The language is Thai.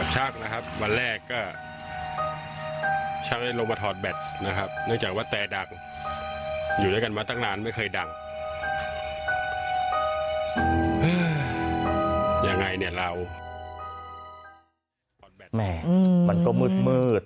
แม่มันก็มืด